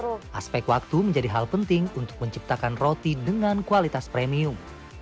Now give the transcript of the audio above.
ini adalah bentuk yang paling penting untuk menciptakan roti dengan kualitas premium